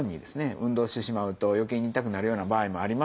運動してしまうとよけいに痛くなるような場合もあります